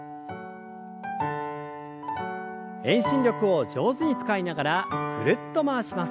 遠心力を上手に使いながらぐるっと回します。